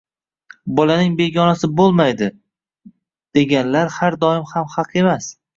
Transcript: Bolaning begonasi bo`lmaydi, deganlar har doim ham haq emas